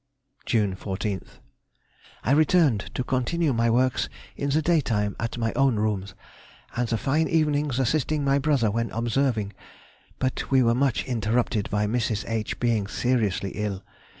June 14th.—I returned to continue my works in the daytime at my own rooms, and the fine evenings assisting my brother when observing, but we were much interrupted by Mrs. H. being seriously ill.